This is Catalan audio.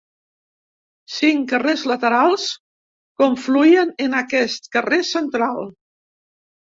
Cinc carrers laterals confluïen en aquest carrer central.